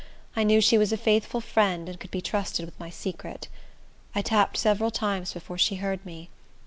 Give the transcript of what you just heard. I knew she was a faithful friend, and could be trusted with my secret. I tapped several times before she heard me.